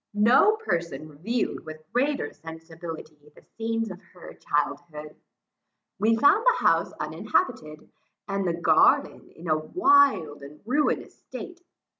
No person reviewed with greater sensibility, the scenes of her childhood. We found the house uninhabited, and the garden in a wild and ruinous state.